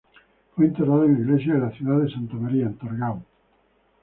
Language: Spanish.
Fue enterrada en la iglesia de la ciudad de Santa María, en Torgau.